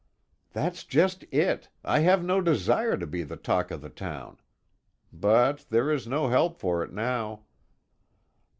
"That's just it. I have no desire to be the talk of the town. But there is no help for it now."